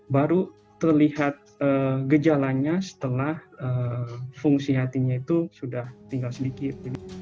baru terlihat gejalanya setelah fungsi hatinya itu sudah tinggal sedikit